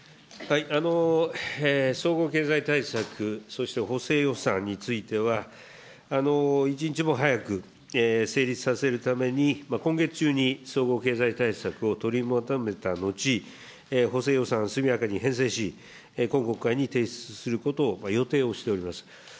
総合経済対策、そして補正予算については、一日も早く成立させるために、今月中に総合経済対策を取りまとめた後、補正予算、速やかに編成し、今国会に提出することを予定をしております。